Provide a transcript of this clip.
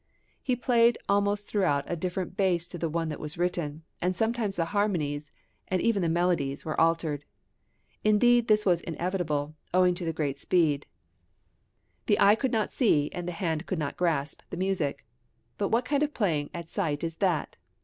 He played almost throughout a different bass to the one that was written, and sometimes the harmonies, and even the melodies, were altered. Indeed, this was inevitable, owing to the great speed: the eye could not see and the hand could not grasp the music. But what kind of playing at sight is that?